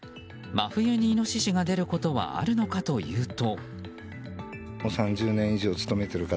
真冬にイノシシが出ることはあるのかというと。